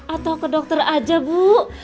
atau ke dokter aja bu